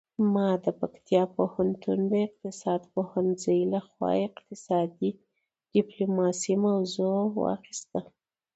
ما د پکتیا پوهنتون د اقتصاد پوهنځي لخوا اقتصادي ډیپلوماسي موضوع واخیسته